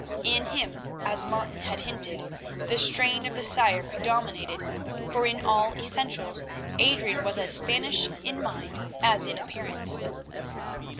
In him, as Martin had hinted, the strain of the sire predominated, for in all essentials Adrian was as Spanish in mind as in appearance.